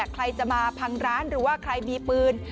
ใครจะมาพังร้านหรือว่าใครมีปืน